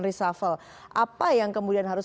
reshuffle apa yang kemudian harus